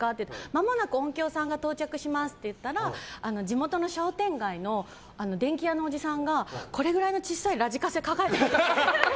まもなく音響さんが到着しますと言われたら地元の商店街の電気屋のおじさんがこれぐらいの小さいラジカセを抱えて。